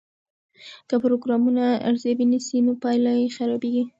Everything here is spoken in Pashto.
که پروګرامونه ارزیابي نسي نو پایلې یې خرابیږي.